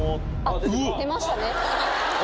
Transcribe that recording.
出ましたね。